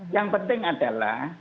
yang penting adalah